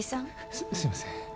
すすいません